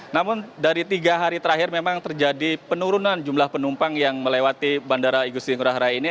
namun dari tiga hari terakhir memang terjadi penurunan jumlah penumpang yang melewati bandara igusti ngurah rai ini